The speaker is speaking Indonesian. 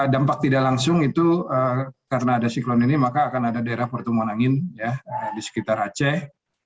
dampak tidak langsung itu karena ada siklon ini maka akan ada daerah pertumbuhan angin di sekitar aceh